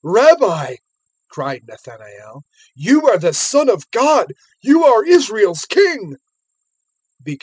001:049 "Rabbi," cried Nathanael, "you are the Son of God, you are Israel's King!"